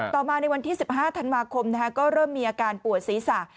ต่อมาในวันที่๑๕ธันวาคมก็เริ่มมีอาการปวดศีรษะ